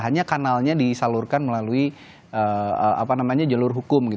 hanya kanalnya disalurkan melalui jalur hukum